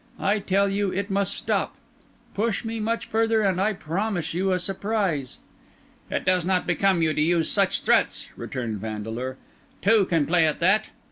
I tell you, it must stop; push me much further and I promise you a surprise." "It does not become you to use threats," returned Vandeleur. "Two can play at that.